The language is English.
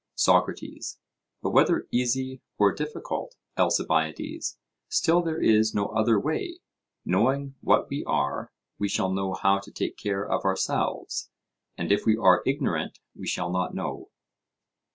SOCRATES: But whether easy or difficult, Alcibiades, still there is no other way; knowing what we are, we shall know how to take care of ourselves, and if we are ignorant we shall not know.